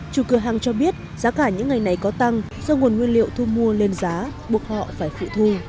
chủ cửa hàng cho biết giá cả những ngày này có tăng do nguồn nguyên liệu thu mua lên giá buộc họ phải phụ thu